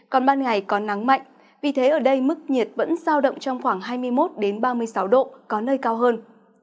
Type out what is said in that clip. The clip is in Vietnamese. còn ban ngày có nắng mạnh vì thế ở đây mức nhiệt vẫn giao động trong khoảng hai mươi một ba mươi sáu độ có nơi cao hơn